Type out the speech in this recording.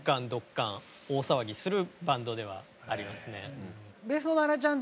大騒ぎするバンドではありますね。